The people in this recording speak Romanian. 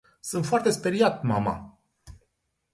Sunt foarte speriat, mama.